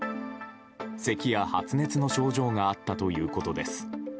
せきや発熱の症状があったということです。